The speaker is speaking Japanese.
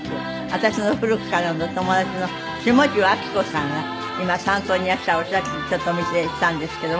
私の古くからの友達の下重暁子さんが今山荘にいらっしゃるお写真ちょっとお見せしたんですけども。